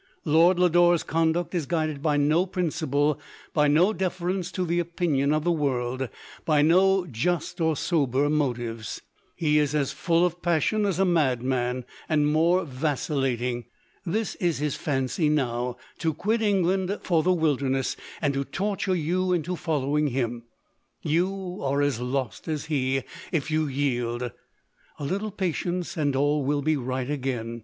Lord Lodore's conduct is guided by no prin ciple — by no deference to the opinion of the world —by no just or sober motives. He is as full of passion as a mailman, and more vacil lating. This is his fancy now — to quit England for the wilderness, and to torture you into follow ing him. You are as lost as he, if you yield. A little patience, and all will be right again.